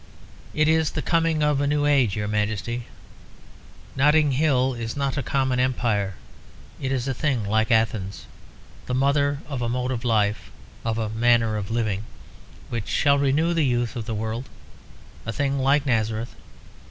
It is the coming of a new age, your Majesty. Notting Hill is not a common empire; it is a thing like Athens, the mother of a mode of life, of a manner of living, which shall renew the youth of the world a thing like Nazareth.